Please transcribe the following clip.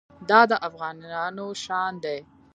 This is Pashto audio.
دا د افغانانو شان دی.